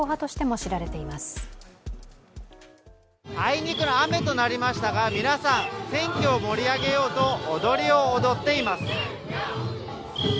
あいにくの雨となりましたが、皆さん、選挙を盛り上げようと踊りを踊っています。